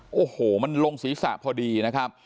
โอ้โหมันลงศีรษะพอดีนะครับ